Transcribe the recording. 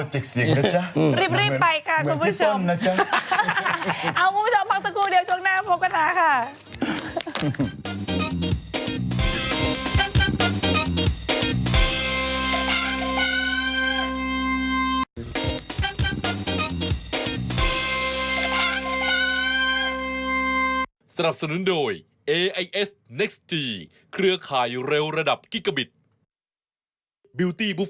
รีบไปค่ะคุณผู้ชม